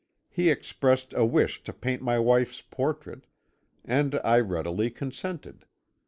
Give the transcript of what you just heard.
He expressed a wish to paint my wife's portrait, and I readily consented.